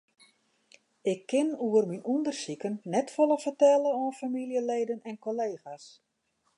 Ik kin oer myn ûndersiken net folle fertelle oan famyljeleden en kollega's.